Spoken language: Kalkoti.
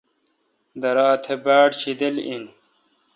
درا تہ باڑشیدل این۔